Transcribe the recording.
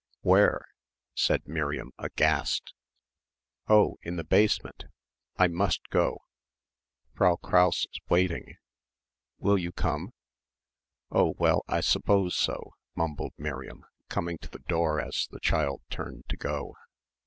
"Where?" said Miriam aghast. "Oh, in the basement. I must go. Frau Krause's waiting. Will you come?" "Oh well, I suppose so," mumbled Miriam, coming to the door as the child turned to go.